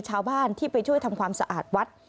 ชาวบ้านที่ไปช่วยทำความสะอาดวัด